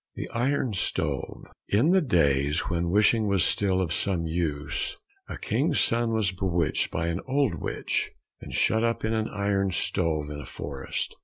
127 The Iron Stove In the days when wishing was still of some use, a King's son was bewitched by an old witch, and shut up in an iron stove in a forest.